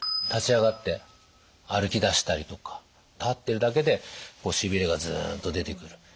立ち上がって歩きだしたりとか立ってるだけでしびれがズンと出てくる。